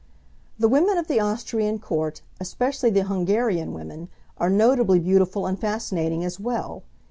The women of the Austrian court, especially the Hungarian women, are notably beautiful and fascinating as well.